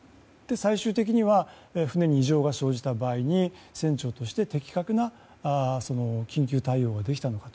最終的には船に異常が生じた場合に船長として的確な緊急対応ができたのか。